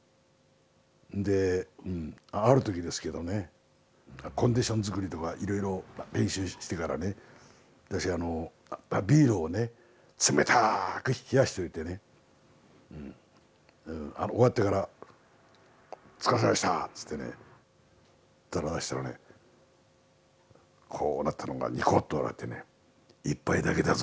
ある時ですけどねコンディション作りとかいろいろ練習してからね私ビールをね冷たく冷やしといてね終わってから「お疲れさまでした」っつってね渡したらねこうなったのがにこっと笑ってね「１杯だけだぞ」